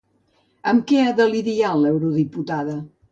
Amb què ha de lidiar l'eurodiputada?